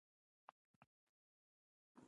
ماشومان د مازدیګر پر وخت چېپس خوړل خوښوي.